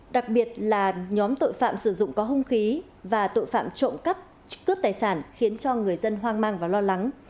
đặc biệt là nhóm tội phạm sử dụng có hung khí và tội phạm trộm cắp cướp tài sản khiến cho người dân hoang mang và lo lắng